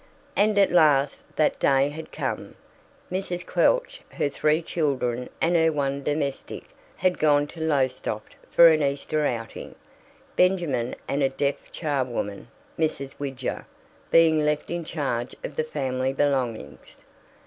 And at last that day had come. Mrs. Quelch, her three children and her one domestic, had gone to Lowestoft for an Easter outing, Benjamin and a deaf charwoman, Mrs. Widger, being left in charge of the family belongings.